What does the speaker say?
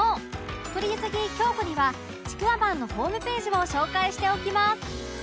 取り急ぎ京子にはチクワマンのホームページを紹介しておきます